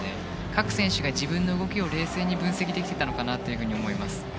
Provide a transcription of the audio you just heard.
各選手が自分の動きを冷静に分析できていたのかなと思います。